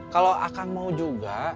kalo akang mau juga